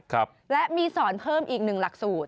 ครับและมีสอนเพิ่มอีกหนึ่งหลักสูตร